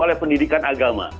oleh pendidikan agama